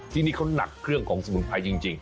ที่นี่เขาหนักเครื่องของสมุนไพรจริง